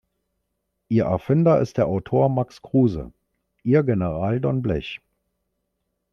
Ihr Erfinder ist der Autor Max Kruse, ihr General Don Blech.